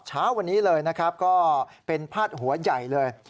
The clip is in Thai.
เช้าวันนี้เลยนะครับก็เป็นพาดหัวใหญ่เลย